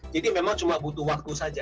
jadi memang cuma butuh waktu saja